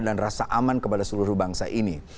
dan rasa aman kepada seluruh bangsa ini